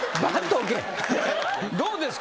どうですか？